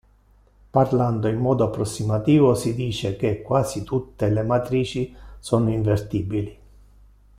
Parlando in modo approssimativo, si dice che "quasi tutte" le matrici sono invertibili.